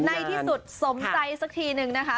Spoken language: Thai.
ในที่สุดสมใจสักทีนึงนะคะ